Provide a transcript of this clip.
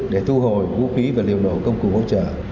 để thu hồi vũ khí và liệu nổ công cụ hỗ trợ